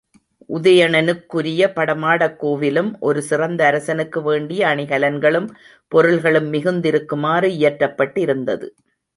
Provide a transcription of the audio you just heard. உதயணனுக்குரிய படமாடக் கோவிலிலும் ஒரு சிறந்த அரசனுக்கு வேண்டிய அணிகலன்களும் பொருள்களும் மிகுந்திருக்குமாறு இயற்றப்பட்டிருந்தது.